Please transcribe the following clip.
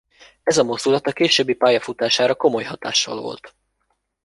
Ez a mozdulat a később pályafutására komoly hatással volt.